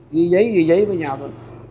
ghi giấy ghi giấy với nhau thôi